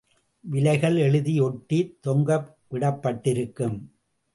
விலைகள் எழுதி ஒட்டித் தொங்கவிடப்பட்டிருக்கும்.